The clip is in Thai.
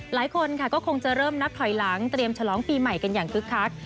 หลายคนค่ะก็คงจะเริ่มนับถอยหลังเตรียมฉลองปีใหม่กันอย่างคึกคัก